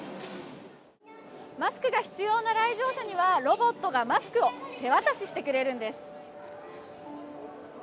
マスクが必要な来場者にはロボットがマスクを手渡ししてくれるんです。